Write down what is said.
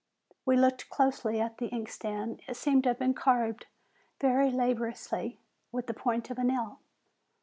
We looked closely at the inkstand : it seemed to have been carved very laboriously with the point of a nail.